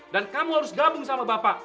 dan kamu harus gabung sama bapak